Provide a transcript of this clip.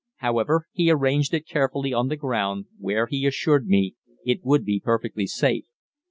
However, he arranged it carefully on the ground, where, he assured me, it would be perfectly safe.